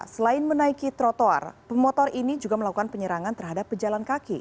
selain menaiki trotoar pemotor ini juga melakukan penyerangan terhadap pejalan kaki